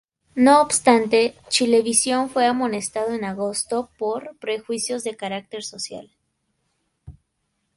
No obstante, Chilevisión fue amonestado en agosto por "prejuicios de carácter social".